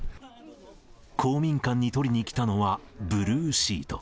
公民館に取りに来たのはブルーシート。